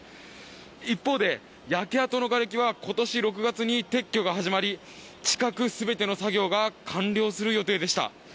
一方で焼け跡の枯れ木は今年６月に撤去が始まり、近く全ての作業が完了する予定でした。